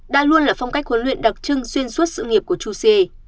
đã luôn là phong cách huấn luyện đặc trưng duyên suốt sự nghiệp của chú siê